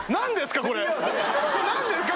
これ何ですか？